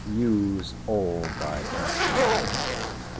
Use all thy passions!